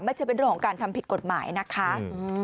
ไม่ใช่เป็นเรื่องของการทำผิดกฎหมายนะคะ